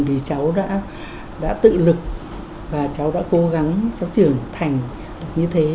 vì cháu đã tự lực và cháu đã cố gắng cháu trưởng thành như thế